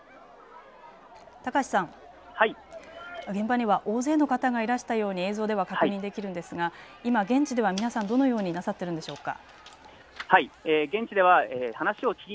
高橋さん、現場には大勢の方がいらしたように映像では確認できるんですが今、現地では皆さん、どのようになさっているんでしょうか。